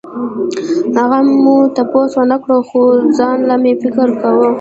هغو نه مو تپوس ونکړو خو ځانله مې فکر کوو